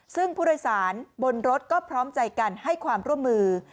ซึ่งผู้โดยสารบนรถก็พร้อมใจกันให้ความร่วมมือ